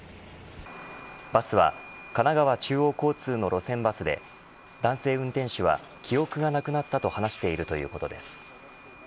バスは神奈川中央交通の路線バスで男性運転手は、記憶がなくなったと話しているということです。